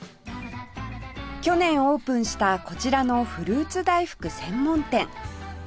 去年オープンしたこちらのフルーツ大福専門店